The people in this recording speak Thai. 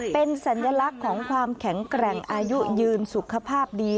เป็นสัญลักษณ์ของความแข็งแกร่งอายุยืนสุขภาพดี